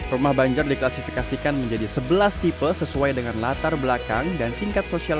rumah banjar diklasifikasikan menjadi sebelas tipe sesuai dengan latar belakang dan tingkat sosial